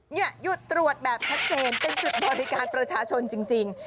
หยุดตรวจแบบชัดเจนเป็นจุดบริการประชาชนจริง